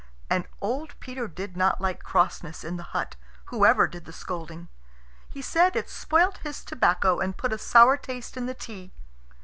And old Peter did not like crossness in the hut, whoever did the scolding. He said it spoilt his tobacco and put a sour taste in the tea.